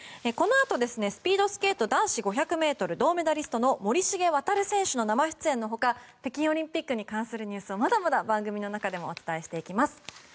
このあと、スピードスケート男子５００ｍ銅メダリストの森重航選手の生出演の他北京オリンピックに関するニュースをまだまだ番組の中でもお伝えしていきます。